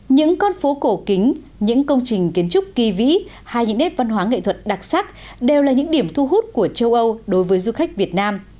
những con phố cổ kính những công trình kiến trúc kỳ vĩ hay những nét văn hóa nghệ thuật đặc sắc đều là những điểm thu hút của châu âu đối với du khách việt nam